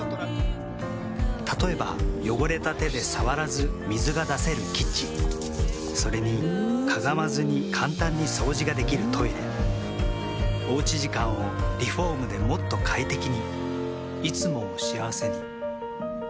例えば汚れた手で触らず水が出せるキッチンそれにかがまずに簡単に掃除ができるトイレおうち時間をリフォームでもっと快適にいつもを幸せにＬＩＸＩＬ。